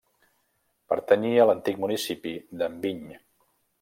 Pertanyia a l'antic municipi d'Enviny.